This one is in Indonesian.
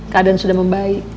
keadaan sudah membaik